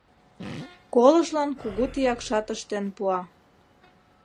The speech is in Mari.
Колыжлан кугу тиякшат ыштен пуа.